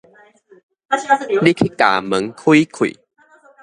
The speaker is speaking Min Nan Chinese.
你去共門開開